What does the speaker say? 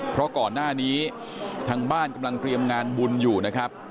เพราะก่อนหน้านี้ทางบ้านกำลังเตรียมงานบุญอยู่นะครับ